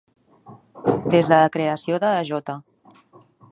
Des de la creació de la J.